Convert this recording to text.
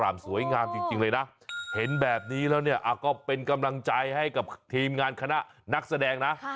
สวยงามจริงเลยนะเห็นแบบนี้แล้วเนี่ยก็เป็นกำลังใจให้กับทีมงานคณะนักแสดงนะ